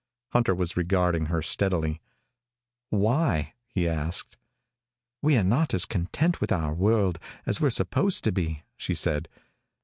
Hunter was regarding her steadily. "Why?" he asked. "We're not as content with our world as we're supposed to be," she said.